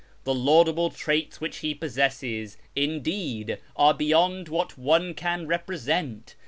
The laudable traits which he possesses, indeed, are beyond what one can represent.